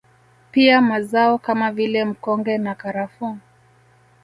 Pia mazao kama vile mkonge na karafuu